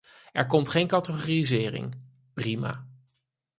Er komt geen categorisering - prima.